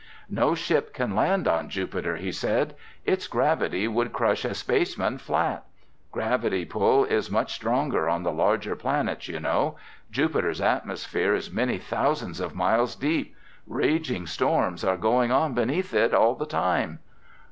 "No ship can land on Jupiter," he said. "Its gravity would crush a spaceman flat. Gravity pull is much stronger on the larger planets, you know. Jupiter's atmosphere is many thousands of miles deep. Raging storms are going on beneath it all the time."